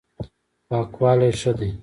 پاکوالی ښه دی.